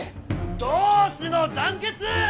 同志の団結！